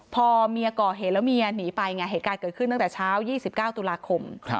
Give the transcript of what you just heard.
พอเมียก่อเหตุแล้วเมียหนีไปไงเหตุการณ์เกิดขึ้นตั้งแต่เช้า๒๙ตุลาคม